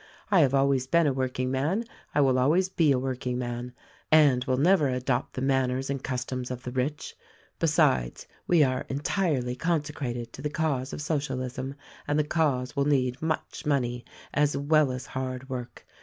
I have always been a workingman, I will always be a work ingman, and will never adopt the manners and customs of the rich. Besides, we are entirely consecrated to the cause of Socialism, and the cause will need much money as well as hard work.